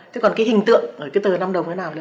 thế còn cái hình tượng ở cái từ năm đồng thế nào